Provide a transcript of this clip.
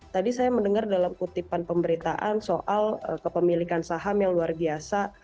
tadi saya mendengar dalam kutipan pemberitaan soal kepemilikan saham yang luar biasa